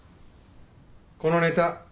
このネタ